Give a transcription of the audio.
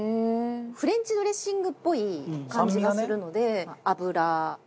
フレンチドレッシングっぽい感じがするので。